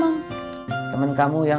sayang lebih dari rupiah